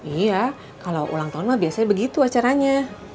iya kalau ulang tahun mah biasanya begitu acaranya